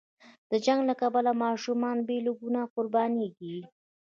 د جنګ له کبله ماشومان بې له ګناه قرباني کېږي.